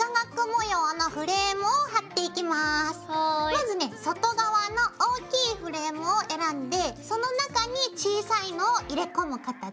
まずね外側の大きいフレームを選んでその中に小さいのを入れ込む形だよ。